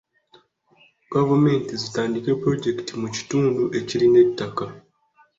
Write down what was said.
Gavumenti zitandika pulojekiti mu kitundu ekirina ettaka.